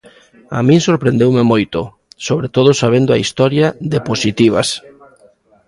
A min sorprendeume moito, sobre todo sabendo a historia de Positivas.